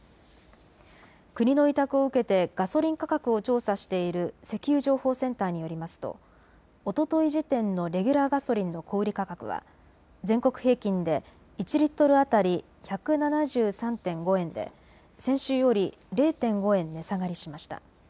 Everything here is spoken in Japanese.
国の委託を受けてガソリン価格を調査している石油情報センターによりますとおととい時点のレギュラーガソリンの小売価格は全国平均で１リットル当たり１７３．５円で先週より０．５円値下がりしました。